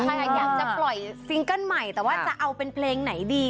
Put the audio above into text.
อยากจะปล่อยซิงเกิ้ลใหม่แต่ว่าจะเอาเป็นเพลงไหนดี